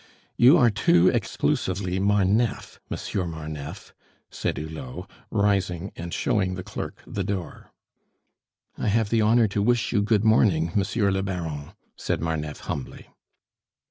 "You are too exclusively Marneffe, Monsieur Marneffe," said Hulot, rising and showing the clerk the door. "I have the honor to wish you good morning, Monsieur le Baron," said Marneffe humbly.